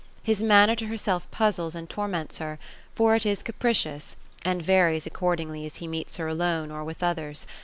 His manner to herself puzzles and torments her ; for it is capricious, and varies accordingly as he meets her alone, or with others.